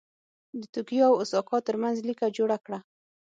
د توکیو او اوساکا ترمنځ لیکه جوړه کړه.